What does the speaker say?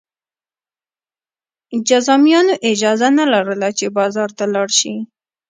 جذامیانو اجازه نه لرله چې بازار ته لاړ شي.